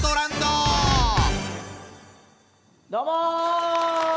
どうも！